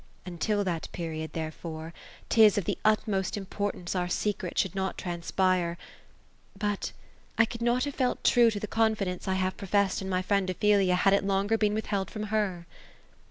Until that period, therefore, 'tis of the utmost importance our secret should not transpire ; but — I could not have felt true to the confidence I havQ professed in my friend Ophelia had it longer been witheld from her."